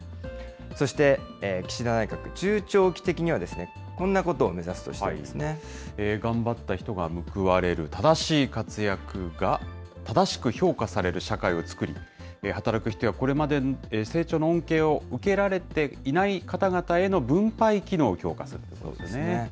そして岸田内閣、中長期的には、こんなことを目指すとしています頑張った人が報われる、正しい活躍が正しく評価される社会をつくり、働く人やこれまで成長の恩恵を受けられていない方々への分配機能